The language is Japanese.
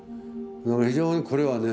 非常にこれはね